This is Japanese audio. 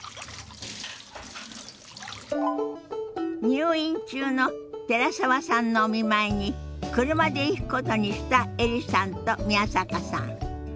入院中の寺澤さんのお見舞いに車で行くことにしたエリさんと宮坂さん。